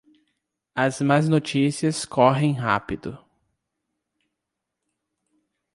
As más notícias correm rápido.